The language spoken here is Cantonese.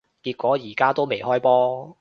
結果而家都未開波